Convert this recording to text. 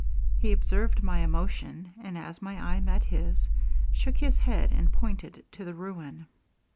He observed my emotion; and, as my eye met his, shook his head and pointed to the ruin.